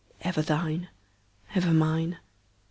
Ever thine. Ever mine.